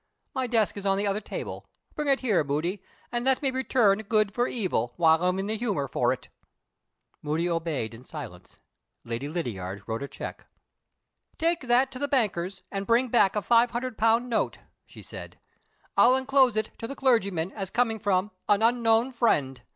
My desk is on the other table. Bring it here, Moody; and let me return good for evil, while I'm in the humor for it!" Moody obeyed in silence. Lady Lydiard wrote a check. "Take that to the banker's, and bring back a five hundred pound note," she said. "I'll inclose it to the clergyman as coming from 'an unknown friend.